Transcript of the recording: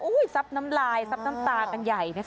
ซับน้ำลายซับน้ำตากันใหญ่นะคะ